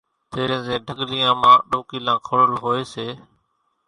تيرين زين ڍڳليان مان ڏوڪيلان کوڙل ھوئي سي